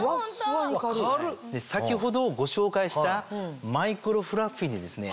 先ほどご紹介したマイクロフラッフィーにですね